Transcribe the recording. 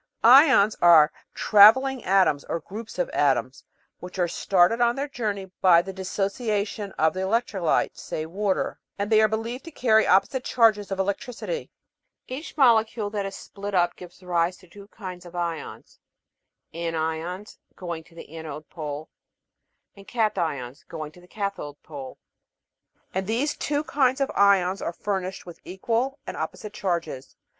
Ions are travelling atoms, or groups of atoms, which are started on their journey by the dissociation of the electrolyte (say, water), and they are believed to carry opposite charges of electricity. Each molecule that is split up gives rise to two kinds of ions (anions, going to the anode pole, and cations, going to the cathode pole) ; and these two kinds of ions are furnished with equal and opposite charges.